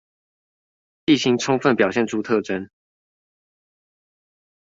地形充分表現出特徵